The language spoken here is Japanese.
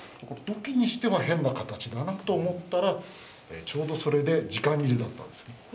土器にしては変な形だなと思ったらちょうどそれで時間切れだったんですね。